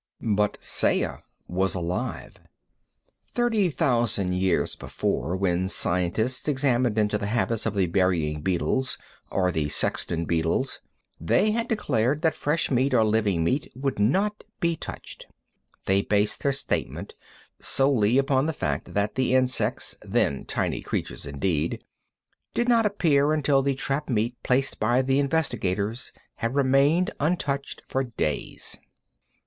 But Saya was alive. Thirty thousand years before, when scientists examined into the habits of the burying beetles, or the sexton beetles, they had declared that fresh meat or living meat would not be touched. They based their statement solely upon the fact that the insects (then tiny creatures indeed) did not appear until the trap meat placed by the investigators had remained untouched for days.